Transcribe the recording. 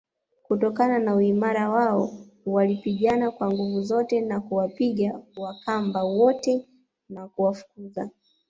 kutokana na uimara wao walipigana kwa nguvu zote na kuwapiga Wakamba wote na kuwafukuza